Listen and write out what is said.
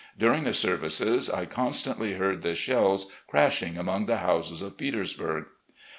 Dtuing the services, I constantly heard the shells crashing among the houses of Petersburg.